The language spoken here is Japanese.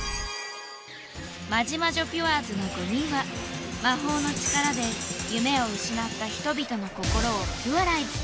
マジマジョピュアーズの５人は魔法の力で夢を失った人々の心をピュアライズ。